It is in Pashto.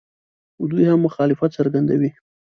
دوی هم مخالفت څرګندوي.